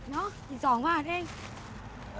เนาะอีก๒บาทเอง